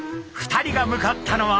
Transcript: ２人が向かったのは。